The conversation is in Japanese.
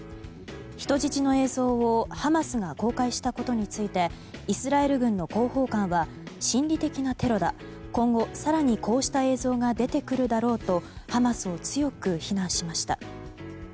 人質の映像をハマスが公開したことについてイスラエル軍の広報官は心理的なテロだ今後更にこうした映像が出てくるだろうとハマスを強く非難しました。